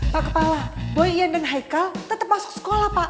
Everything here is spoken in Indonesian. pak kepala boyan dan haikal tetap masuk sekolah pak